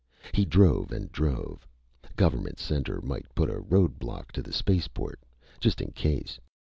He drove. And drove. Government Center might put a road block to the spaceport, just in case.